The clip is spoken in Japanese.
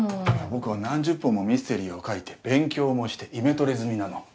僕は何十本もミステリーを書いて勉強もしてイメトレ済みなの。